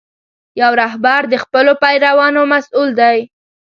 یو رهبر د خپلو پیروانو مسؤل دی.